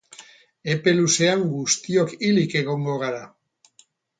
Epe luzean guztiok hilik egongo gara.